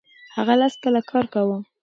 هغه لس کاله کار کاوه.